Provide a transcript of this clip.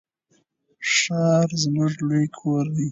ښار زموږ لوی کور دی.